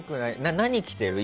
何着てる？